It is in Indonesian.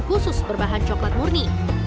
khusus berbahan coklat murni